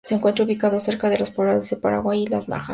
Se encuentra ubicado cerca de los poblados de Paraguay y Las Lajas.